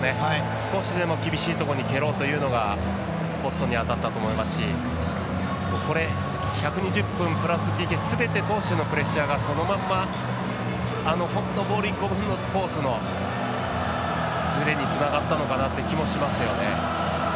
少しでも厳しいところに蹴ろうというのがポストに当たったと思いますしこれ、１２０分プラスＰＫすべて通してのプレッシャーがそのまんま、本当ボール１個分のコースのズレにつながったのかなって気もしますよね。